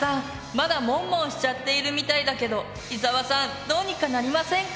まだモンモンしちゃっているみたいだけど伊沢さんどうにかなりませんか？